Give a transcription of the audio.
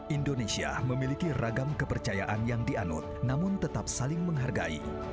indonesia memiliki ragam kepercayaan yang dianut namun tetap saling menghargai